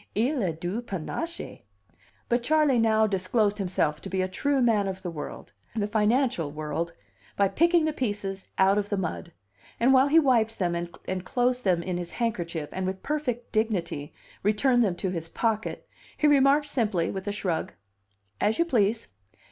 il a du panache!" But Charley now disclosed himself to be a true man of the world the financial world by picking the pieces out of the mud; and, while he wiped them and enclosed them in his handkerchief and with perfect dignity returned them to his pocket, he remarked simply, with a shrug: "As you please."